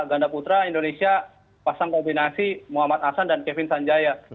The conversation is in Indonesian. ganda putra indonesia pasang kombinasi muhammad ahsan dan kevin sanjaya